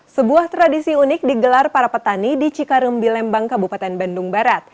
sebuah tradisi unik digelar para petani di cikarembi lembang kabupaten bandung barat